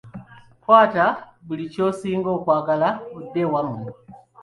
Kwata buli ky'osinga okwagala odde ewammwe.